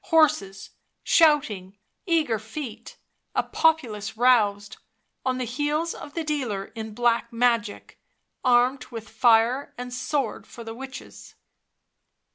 Horses, shouting, eager feet; a populace roused, on the heels of the dealer in black magic, armed with fire and sword for the witches.